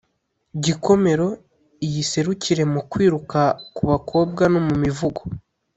Gikomero iyiserukire mu kwiruka ku bakobwa no mu mivugo